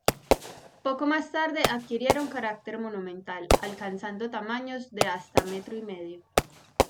Poco más tarde adquirieron carácter monumental, alcanzando tamaños de hasta metro y medio.